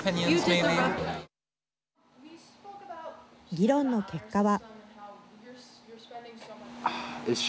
議論の結果は。